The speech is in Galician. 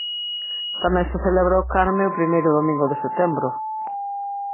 Tamén se celebra o Carme o primeiro domingo de setembro.